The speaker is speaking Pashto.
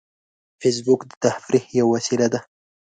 فېسبوک د تفریح یوه وسیله ده